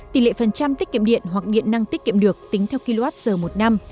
tỷ lệ phần trăm tích kiệm điện hoặc điện năng tích kiệm được tính theo kwh một năm